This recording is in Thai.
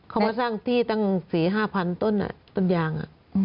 เขามาสร้างที่ตั้ง๔๕๐๐๐ต้นต้นยาง